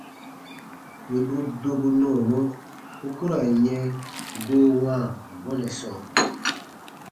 Wì u dobu nɔɔmɔ, u ku ra n yɛ̃ goo wãa bɔnɛ sɔɔ.